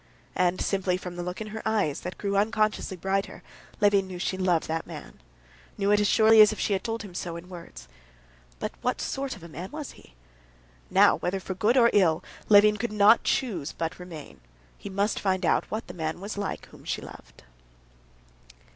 And simply from the look in her eyes, that grew unconsciously brighter, Levin knew that she loved that man, knew it as surely as if she had told him so in words. But what sort of a man was he? Now, whether for good or for ill, Levin could not choose but remain; he must find out what the man was like whom she loved.